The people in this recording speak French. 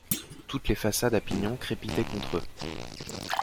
Toutes les façades à pignons crépitaient contre eux.